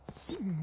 ん。